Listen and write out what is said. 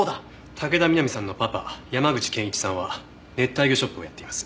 武田美波さんのパパ山口健一さんは熱帯魚ショップをやっています。